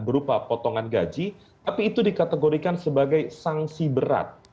berupa potongan gaji tapi itu dikategorikan sebagai sanksi berat